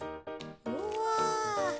うわ。